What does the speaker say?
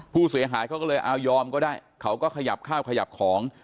ผู้เสียหายเขาก็เลยเอายอมก็ได้เขาก็ขยับข้าวขยับของ